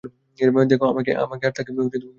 দেখো, আমাকে আর তাঁকে ঘৃণা করতে হবে না।